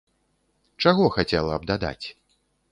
Чаго хацела б дадаць?